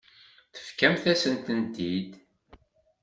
Tefkamt-as-tent-id.